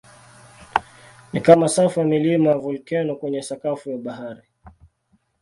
Ni kama safu ya milima ya volkeno kwenye sakafu ya bahari.